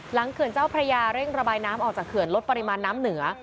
เขื่อนเจ้าพระยาเร่งระบายน้ำออกจากเขื่อนลดปริมาณน้ำเหนือ